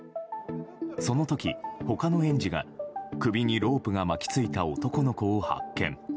その時、他の園児が首にロープが巻き付いた男の子を発見。